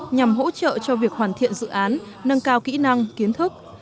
nhằm hỗ trợ cho việc hoàn thiện dự án nâng cao kỹ năng kiến thức